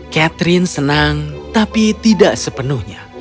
catherine senang tapi tidak sepenuhnya